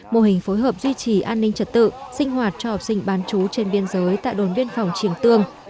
mô hình phối hợp duy trì an ninh trật tự sinh hoạt cho học sinh bán chú trên biên giới tại đồn biên phòng triềng tương